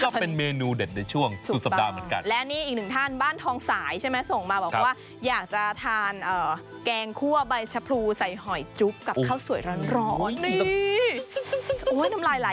ก็เป็นเมนูเด็ดในช่วงสุดสัปดาห์เหมือนกันและนี่อีกหนึ่งท่านบ้านทองสายใช่ไหมส่งมาบอกว่าอยากจะทานแกงคั่วใบชะพรูใส่หอยจุ๊บกับข้าวสวยร้อน